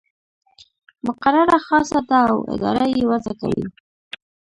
مقرره خاصه ده او اداره یې وضع کوي.